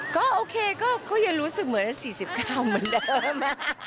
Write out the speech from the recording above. ก็โอเคก็ยังรู้สึกเหมือน๔๙เหมือนเดิม